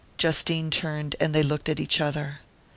Justine turned and they looked at each other.